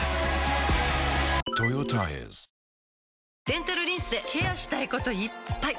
デンタルリンスでケアしたいこといっぱい！